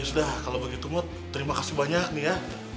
sudah kalau begitu mut terima kasih banyak nih ya